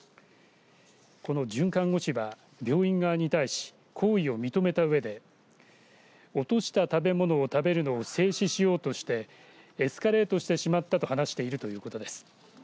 この准看護師は病院側に対し行為を認めたうえで落とした食べ物を食べるのを制止しようとしてエスカレートしてしまったと話しているということです。